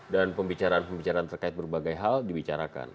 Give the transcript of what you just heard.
dan pembicaraan pembicaraan terkait berbagai hal dibicarakan